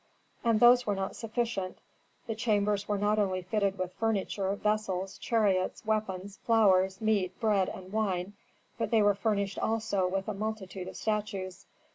And those were not sufficient: the chambers were not only fitted with furniture, vessels, chariots, weapons, flowers, meat, bread, and wine, but they were furnished also with a multitude of statues.